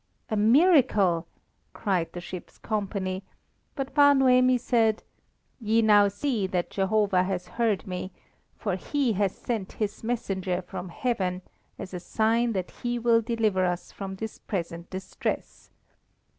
"A miracle!" cried the ship's company; but Bar Noemi said: "Ye now see that Jehovah has heard me, for He has sent His messenger from heaven as a sign that He will deliver us from this present distress.